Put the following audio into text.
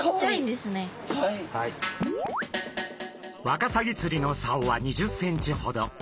ワカサギ釣りのさおは２０ｃｍほど。